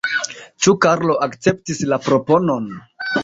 Ĉu Karlo akceptis la proponon?